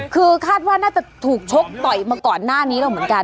คือคาดว่าน่าจะถูกชกต่อยมาก่อนหน้านี้แล้วเหมือนกัน